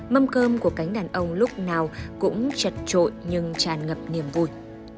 mâm cơm của cánh đàn ông lúc nào cũng chật trội nhưng tràn ngập niềm vui